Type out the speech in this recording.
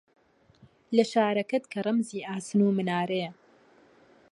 لە شارەکەت، کە ڕەمزی ئاسن و منارەیە